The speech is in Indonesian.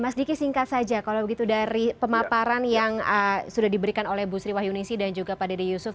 mas diki singkat saja kalau begitu dari pemaparan yang sudah diberikan oleh bu sri wahyunisi dan juga pak dede yusuf